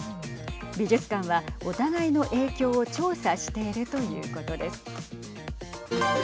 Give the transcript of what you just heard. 美術館はお互いの影響を調査しているということです。